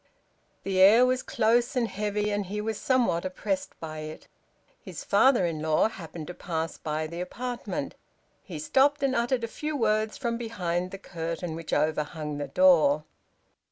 The air was close and heavy, and he was somewhat oppressed by it. His father in law happened to pass by the apartment. He stopped and uttered a few words from behind the curtain which overhung the door.